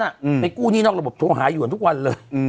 ไม่อยากกู้นี้นอกระบบโทรหาเยวนทุกวันเลย